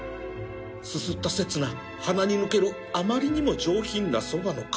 すすった刹那鼻に抜けるあまりにも上品なそばの香り